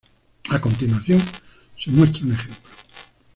A continuación se muestra un ejemplo.